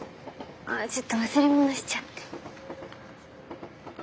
あっちょっと忘れ物しちゃって。